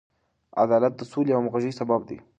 عدالت د سولې او همغږۍ سبب دی.